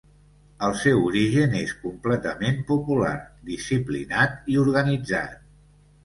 El seu origen és completament popular, disciplinat i organitzat.